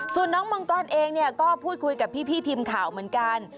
ส่วนน้องมังกรเองเนี่ยก็พูดคุยกับพี่ทีมข่าวเหมือนกัน